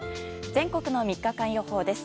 全国の３日間予報です。